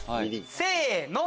せの！